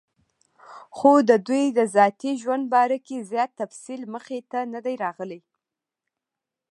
خو دَدوي دَذاتي ژوند باره کې زيات تفصيل مخې ته نۀ دی راغلی